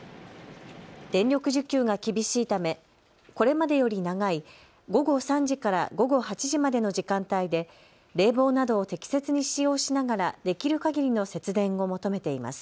電力需給が厳しいためこれまでより長い午後３時から午後８時までの時間帯で冷房などを適切に使用しながらできるかぎりの節電を求めています。